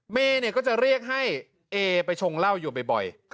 เมย์ก็จะเรียกให้เอไปชงเหล้าอยู่บ่อย